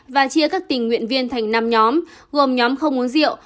và chia các tình nguyện viên thành năm nhóm gồm nhóm không uống rượu